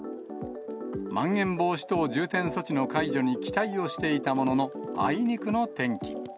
まん延防止等重点措置の解除に期待をしていたものの、あいにくの天気。